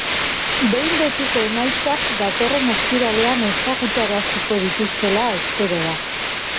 Behin-betiko emaitzak datorren ostiralean ezagutaraziko dituztela espero da.